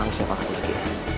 aku tahu siapa aku lagi